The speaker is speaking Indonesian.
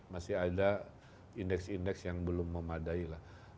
masih ada indeks indeks yang belum memadai lah